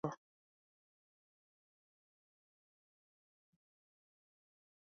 Mr. Tupman felt every moment more disposed for the ball.